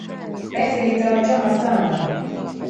Penzi litawachoma sana